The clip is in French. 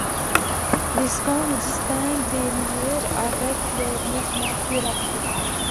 Les scans se distinguent des lyres avec leur mouvement plus rapide.